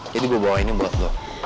jadi gue bawa ini buat lo